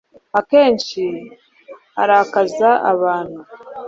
Akenshi arakaza abantu